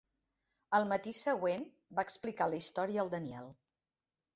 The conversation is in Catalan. Al matí següent, va explicar la història al Daniel.